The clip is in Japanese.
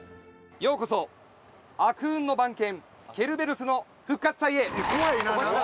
ようこそ悪運の番犬ケルベロスの復活祭へ。